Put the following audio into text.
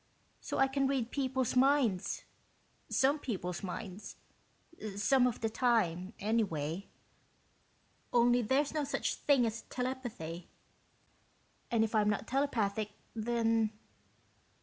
So I can read people's minds some people's minds, some of the time, anyway ... only there's no such thing as telepathy. And if I'm not telepathic, then...."